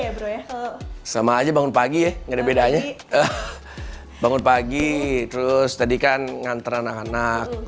swetha sama aja bangun pagi ya enggak bedanya bangun pagi terus tadi kan ngantret anak anak